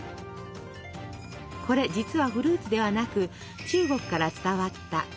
これ実はフルーツではなく中国から伝わった「唐果物」。